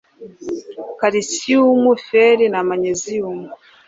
calcium, fer na magnesium